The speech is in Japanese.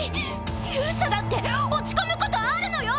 勇者だって落ち込むことあるのよ！